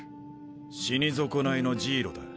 死に損ないのジイロだ。